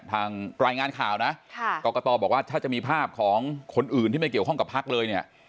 รายงานข่าวนะกรกตบอกว่าถ้าจะมีภาพของคนอื่นที่ไม่เกี่ยวข้องกับพักเลยเนี่ย